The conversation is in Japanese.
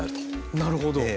なるほど。